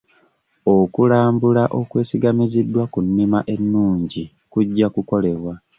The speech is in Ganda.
Okulambula okwesigamiziddwa ku nnima ennungi kujja kukolebwa.